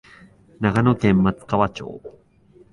長野県松川町